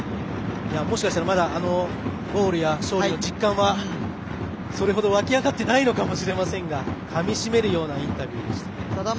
もしかしたら、まだゴールや勝利の実感はそれほど湧き上がってないのかもしれませんが、かみ締めるようなインタビューでした。